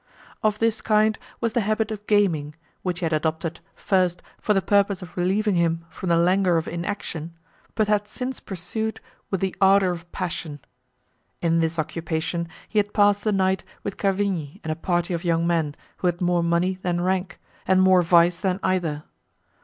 Of this kind was the habit of gaming, which he had adopted, first, for the purpose of relieving him from the languor of inaction, but had since pursued with the ardour of passion. In this occupation he had passed the night with Cavigni and a party of young men, who had more money than rank, and more vice than either.